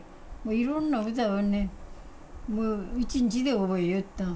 いろんな歌をもう、１日で覚えよった。